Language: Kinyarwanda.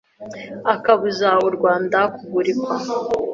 Akabuza u Rwanda kugurikwa